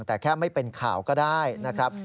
แต่แค่ไม่เป็นข่าวก็ได้นะครับ